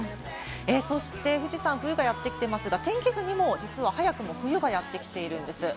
そして富士山、冬がやってきてますが、天気図には早くも冬がやってきてるんです。